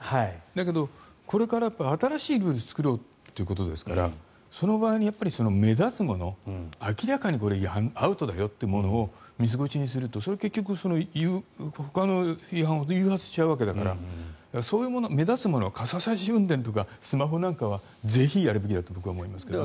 だけどこれから新しいルールを作ろうということですからその場合に目立つもの明らかにこれはアウトだよっていうものを見過ごしにすると結局ほかの違反を誘発しちゃうわけだから目立つもの傘差し運転とかスマホなんかはぜひやるべきだと僕は思いますけどね。